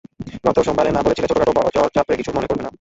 গত সোমবারে না বলেছিলে, ছোটখাটো চড়-চাপড়ে কিছু মনে করবে না।